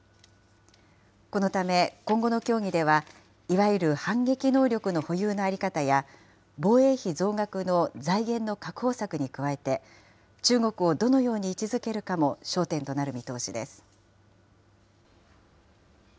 このため今後の協議では、いわゆる反撃能力の保有の在り方や、防衛費増額の財源の確保策に加えて、中国をどのように位置づけるかも焦点となる見通しです。